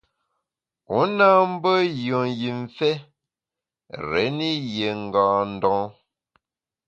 U nâ mbe yùen jimfe réni yié ngâ ndon.